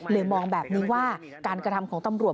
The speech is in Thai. มองแบบนี้ว่าการกระทำของตำรวจ